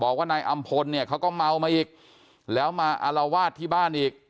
บอกว่านายอำพลเนี่ยเขาก็เมามาอีกแล้วมาอารวาสที่บ้านอีก